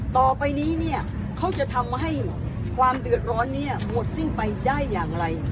ต่อไปนี้เนี่ยเขาจะทำให้ความเดือดร้อนนี้หมดสิ้นไปได้อย่างไร